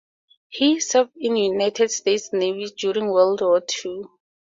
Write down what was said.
He served in the United States Navy during World War ii.